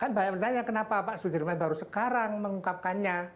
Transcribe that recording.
kan banyak bertanya kenapa pak sudirman baru sekarang mengungkapkannya